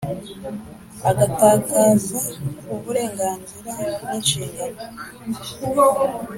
Agatakaza uburenganzira n inshingano